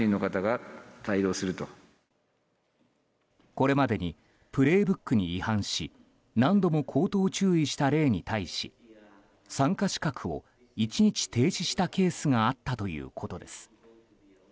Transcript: これまでに「プレイブック」に違反し何度も口頭注意した例に対し参加資格を１日停止したケースがあったということです。